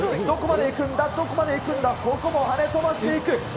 どこまでいくんだ、どこまで行くんだ、はね飛ばしていく。